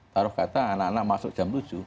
taruh kata anak anak masuk jam tujuh